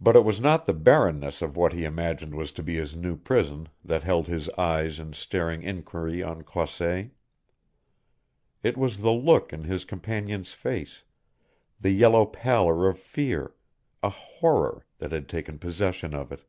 But it was not the barrenness of what he imagined was to be his new prison that held his eyes in staring inquiry on Croisset. It was the look in his companion's face, the yellow pallor of fear a horror that had taken possession of it.